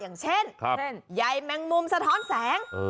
อย่างเช่นเช่นใยแมงมุมสะท้อนแสง